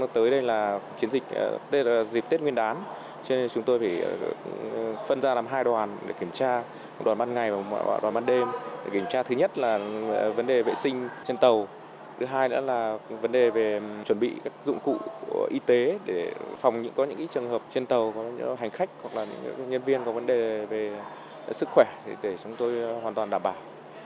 trên tàu có những hành khách hoặc là những nhân viên có vấn đề về sức khỏe thì để chúng tôi hoàn toàn đảm bảo